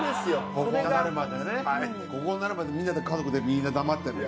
ここになるまでみんなで家族でみんな黙ってんだよ。